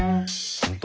本当？